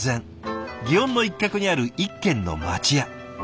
園の一角にある一軒の町屋。